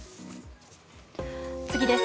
次です。